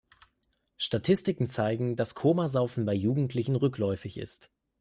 Statistiken zeigen, dass Komasaufen bei Jugendlichen rückläufig ist.